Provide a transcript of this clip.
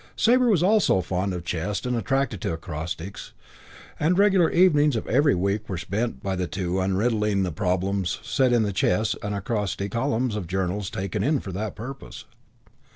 Sabre was also fond of chess and attracted by acrostics; and regular evenings of every week were spent by the two in unriddling the problems set in the chess and acrostic columns of journals taken in for the purpose.